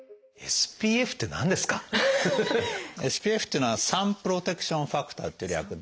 ＳＰＦっていうのは「サンプロテクションファクター」っていう略で。